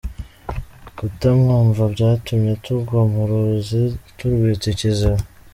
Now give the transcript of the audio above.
Kutamwumva byatumye tugwa mu ruzi turwita ikiziba.”